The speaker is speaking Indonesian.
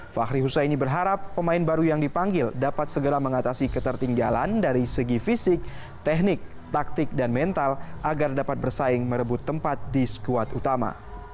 fahri husaini berharap pemain baru yang dipanggil dapat segera mengatasi ketertinggalan dari segi fisik teknik taktik dan mental agar dapat bersaing merebut tempat di skuad utama